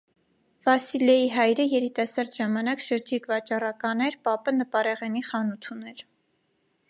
Վասիլեի հայրը երիտասարդ ժամանակ շրջիկ վաճառական էր, պապը՝ նպարեղենի խանութ ուներ։